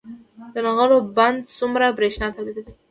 د نغلو بند څومره بریښنا تولیدوي؟